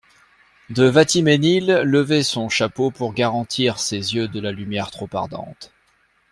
De Vatimesnil levait son chapeau pour garantir ses yeux de la lumière trop ardente.